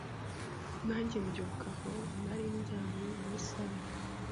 nanjye mbyuka aho nari ndyamye muri salle.